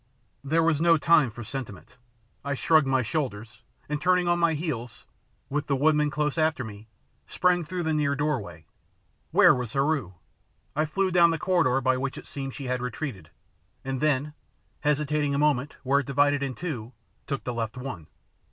There was no time for sentiment. I shrugged my shoulders, and turning on my heels, with the woodmen close after me, sprang through the near doorway. Where was Heru? I flew down the corridor by which it seemed she had retreated, and then, hesitating a moment where it divided in two, took the left one.